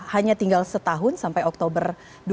hanya tinggal setahun sampai oktober dua ribu dua puluh